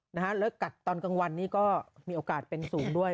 แล้วกัดตอนกลางวันนี้ก็มีโอกาสเป็นสูงด้วย